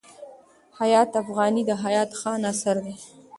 حیات افغاني د حیات خان اثر دﺉ.